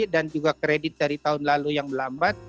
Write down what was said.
dan juga kredit dari tahun lalu yang melambat